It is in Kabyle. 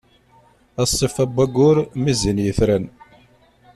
A ṣṣifa n wayyur, mi zzin yetran.